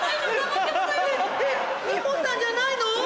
美穂さんじゃないの？